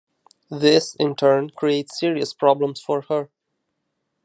This, in turn, creates serious problems for her.